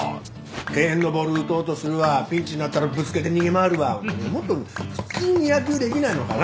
敬遠のボール打とうとするわピンチになったらぶつけて逃げ回るわもっと普通に野球できないのかな！？